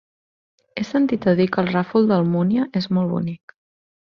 He sentit a dir que el Ràfol d'Almúnia és molt bonic.